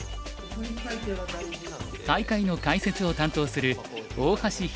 大会の解説を担当する大橋拓